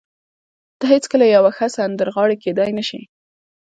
ته هېڅکله یوه ښه سندرغاړې کېدای نشې